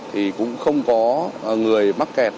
thì cũng không có người mắc kẹt